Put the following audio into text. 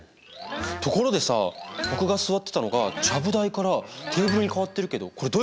ところでさ僕が座ってたのがちゃぶ台からテーブルに変わってるけどこれどういうこと！？